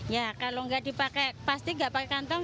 ya kalau nggak dipakai pasti nggak pakai kantong